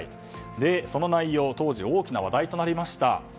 その内容、当時大きな話題となりました。